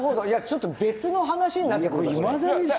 いやちょっと別の話になってくるから。